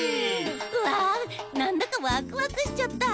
わあなんだかワクワクしちゃった。ね。